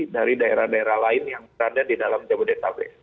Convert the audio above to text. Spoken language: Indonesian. dari daerah daerah lain yang berada di dalam jabodetabek